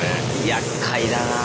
やっかいだなぁ。